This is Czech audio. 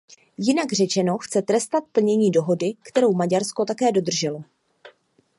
Jinak řečeno chce trestat plnění dohody, kterou Maďarsko také dodrželo.